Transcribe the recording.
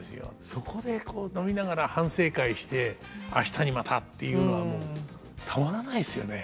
そこでこう飲みながら反省会して「明日にまた」っていうのはもうたまらないですよね。